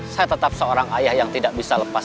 saya tetap seorang ayah yang tidak bisa lepas